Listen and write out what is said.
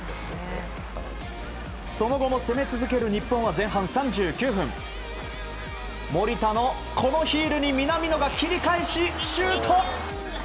その後も攻め続ける日本は前半３９分森田のこのヒールに南野が切り返しシュート！